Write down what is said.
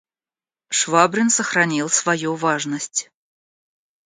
Швабрин сохранил свою важность.